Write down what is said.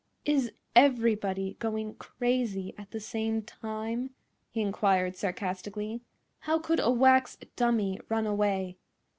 "Is everybody going crazy at the same time?" he inquired, sarcastically. "How could a wax dummy run away?"